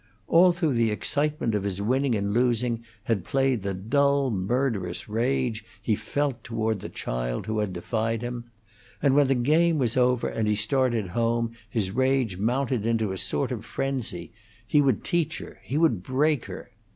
All through the excitement of his winning and losing had played the dull, murderous rage he felt toward the child who had defied him, and when the game was over and he started home his rage mounted into a sort of frenzy; he would teach her, he would break her.